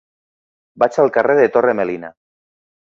Vaig al carrer de Torre Melina.